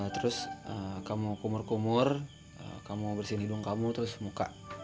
terus kamu kumur kumur kamu bersihin hidung kamu terus muka